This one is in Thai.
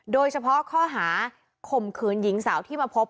โดยเฉพาะข้อหาข่มขืนหญิงสาวที่มาพบ